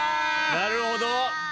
なるほど。